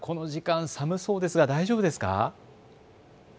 市村さん、この時間、寒そうですが大丈夫ですか。